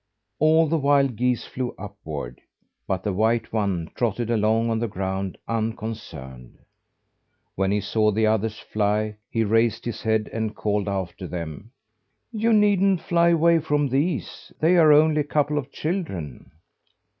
All the wild geese flew upward; but the white one trotted along on the ground unconcerned. When he saw the others fly he raised his head and called after them: "You needn't fly away from these! They are only a couple of children!"